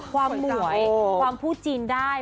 หมวยความพูดจีนได้